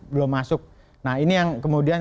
belum masuk nah ini yang kemudian